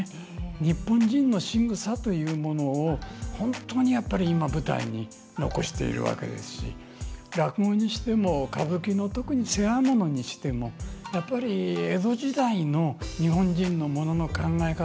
日本人のしぐさというものを本当に、やっぱり今、舞台に残しているわけですし落語にしても歌舞伎の特に世話物にしてもやっぱり江戸時代の日本人のものの考え方